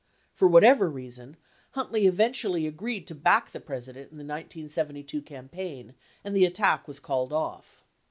For whatever reason, Huntley eventually agreed to back the President in the 1972 campaign and the attack was called off.